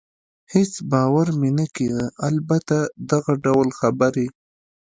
هېڅ باور مې نه کېده، البته دغه ډول خبرې.